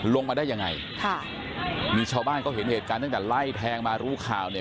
ลงมาได้ยังไงค่ะมีชาวบ้านเขาเห็นเหตุการณ์ตั้งแต่ไล่แทงมารู้ข่าวเนี่ย